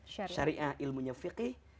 syariah ilmunya fiqih